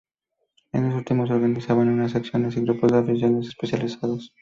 Estos últimos se organizaban en secciones y grupos de aficiones especializados.